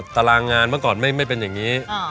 ตารางงานเมื่อก่อนไม่เป็นอย่างนี้